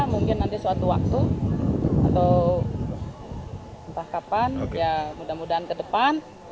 mungkin nanti suatu waktu atau entah kapan ya mudah mudahan ke depan